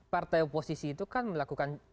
partai oposisi itu kan melakukan